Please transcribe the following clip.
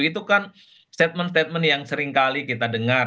itu kan statement statement yang seringkali kita dengar